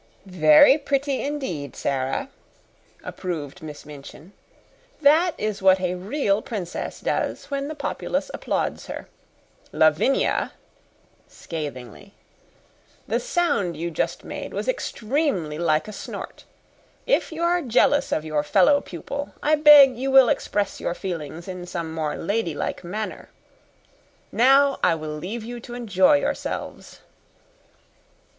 "Very pretty, indeed, Sara," approved Miss Minchin. "That is what a real princess does when the populace applauds her. Lavinia" scathingly "the sound you just made was extremely like a snort. If you are jealous of your fellow pupil, I beg you will express your feelings in some more lady like manner. Now I will leave you to enjoy yourselves."